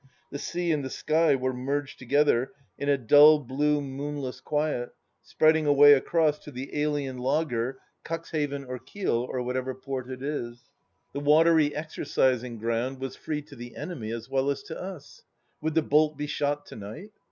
The sea and the sky were merged together in a dull, blue, 14 210 THE LAST DITCH moonless quiet, spreading away across to the alien lager, Cuxhaven or Kiel, or whatever port it is. ... The watery exercising ground was free to the enemy as well as to us I . Would the bolt be shot to night